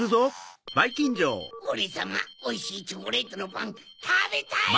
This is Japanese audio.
オレさまおいしいチョコレートのパンたべたい！